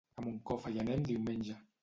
A Moncofa hi anem diumenge.